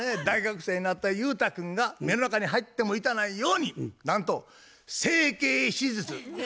大学生になった勇太君が目の中に入っても痛ないようになんと整形手術。